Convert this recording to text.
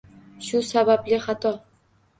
Shu sababli xato